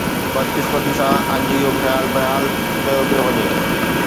بدقسمتي سان، اڄ اهو خيال بحال ڪيو پيو وڃي.